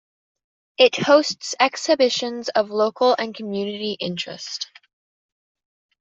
It hosts exhibitions of local and community interest.